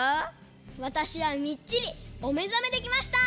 わたしはみっちりおめざめできました！